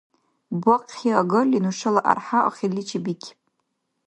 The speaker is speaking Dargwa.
БахъхӀиагарли нушала архӀя ахирличи бикиб.